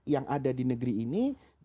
yang ada di negeri ini